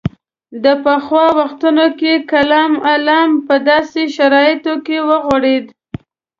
د پخوا وختونو کې کلام علم په داسې شرایطو کې وغوړېد.